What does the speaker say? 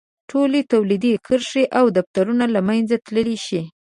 ټولې تولیدي کرښې او دفترونه له منځه تللی شي.